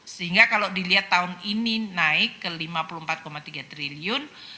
sehingga kalau dilihat tahun ini naik ke lima puluh empat tiga triliun